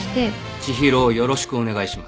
知博をよろしくお願いします